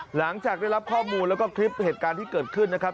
หลังจากได้รับข้อมูลแล้วก็คลิปเหตุการณ์ที่เกิดขึ้นนะครับ